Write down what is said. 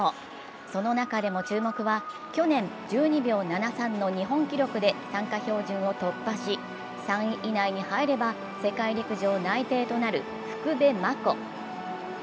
その中でも注目は去年１２秒７３の日本記録で参加標準を突破し３位以内に入れば、世界陸上内定となる福部真子。